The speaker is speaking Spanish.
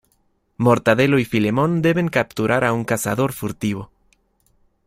Mortadelo y Filemón deben capturar a un cazador furtivo.